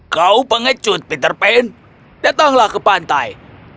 kau pengecut peter pan datanglah ke pantai